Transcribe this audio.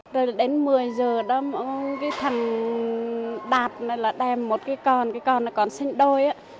rồi đến một mươi h đó một thằng đạt đem một cái con cái con là con sinh đôi